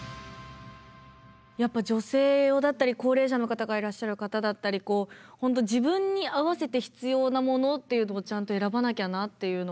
やっぱ女性用だったり高齢者の方がいらっしゃる方だったり本当自分に合わせて必要なものっていうのをちゃんと選ばなきゃなっていうのを改めて思いましたね。